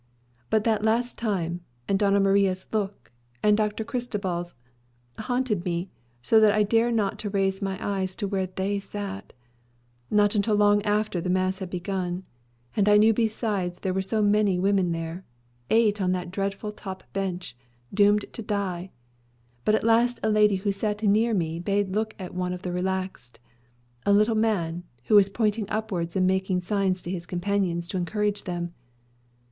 But that last time, and Doña Maria's look, and Dr. Cristobal's, haunted me, so that I did not dare to raise my eyes to where they sat; not until long after the mass had begun. And I knew besides there were so many women there eight on that dreadful top bench, doomed to die. But at last a lady who sat near me bade me look at one of the relaxed, a little man, who was pointing upwards and making signs to his companions to encourage them.